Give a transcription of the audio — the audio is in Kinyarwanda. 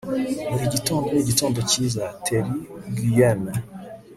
buri gitondo ni igitondo cyiza. - terri guillemets